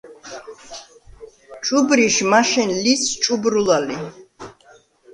ჭუბრიშ მაშენ ლიც ჭუბრულა ლი.